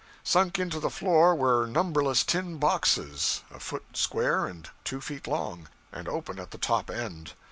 Sunk into the floor were numberless tin boxes, a foot square and two feet long, and open at the top end.